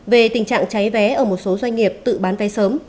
về tình trạng cháy vé ở một số doanh nghiệp tự bán vé sớm